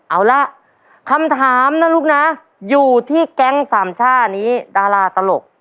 เอาล่ะคำถามนะลูกนะอยู่ที่แก๊งสามช่านี้ดาราตลก